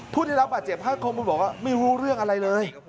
พูดได้รับบาดเจ็บ๕คมบอกไม่รู้เรื่องอะไรเลย